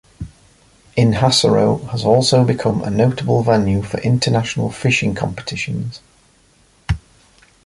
Inhassoro has also become a notable venue for international fishing competitions.